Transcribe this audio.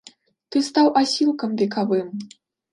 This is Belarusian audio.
Ты стаў асілкам векавым.